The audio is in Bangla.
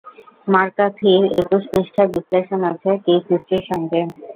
ম্যাকার্থির একুশ পৃষ্ঠার বিশ্লেষণ আছে কেইস হিস্ট্রির সঙ্গে।